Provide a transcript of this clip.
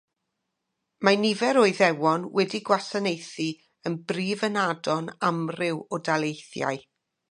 Mae nifer o Iddewon wedi gwasanaethu yn Brif Ynadon amryw o daleithiau.